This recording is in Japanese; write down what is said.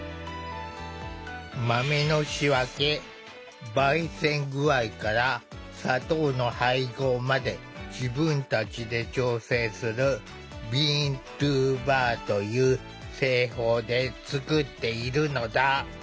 豆の仕分け・ばい煎具合から砂糖の配合まで自分たちで調整する「ＢｅａｎｔｏＢａｒ」という製法で作っているのだ。